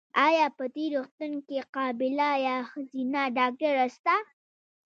ایا په دي روغتون کې قابیله یا ښځېنه ډاکټره سته؟